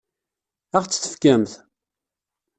Ad ɣ-tt-tefkemt?